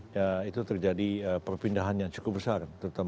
ya itu terjadi perpindahan yang cukup besar